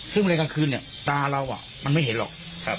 ซึ่งแมลงกลางคืนตาเรามันไม่เห็นหรอก